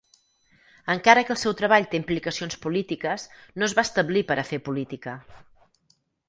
Encara que el seu treball té implicacions polítiques, no es va establir per a fer política.